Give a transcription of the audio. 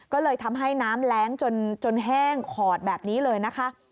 ก็เลยทำให้น้ำแรงจนแห้งขอดแบบนี้เลยนะคะ